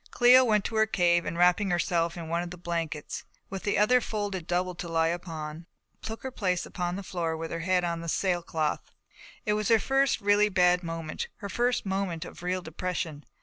Cléo went to her cave and wrapping herself in one of the blankets, with the other folded double to lie upon, took her place upon the floor with her head on the sailcloth. It was her first really bad moment. Her first moment of real depression.